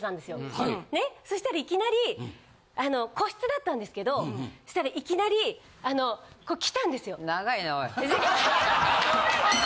ねそしたらいきなりあの個室だったんですけどそしたらいきなりあのこう来たんですよ。ごめんなさい。